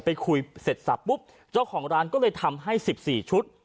ไปคุยเสร็จสับปุ๊บเจ้าของร้านก็เลยทำให้๑๔ชุด